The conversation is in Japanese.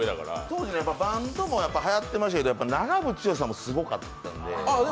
当時、バンドもはやってましたけど、長渕剛さんもすごかったんで。